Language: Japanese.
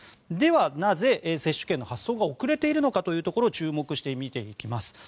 では、なぜ接種券の発送が遅れているのかというところを注目して見ていきます。